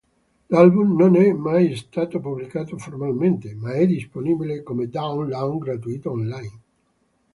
L'album non è mai stato pubblicato formalmente, ma è disponibile come download gratuito online.